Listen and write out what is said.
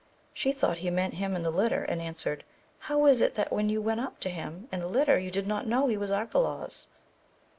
She thought he meant him in the litter and answered, how is it that when you went up to him in the litter you did not know he was Arcalaus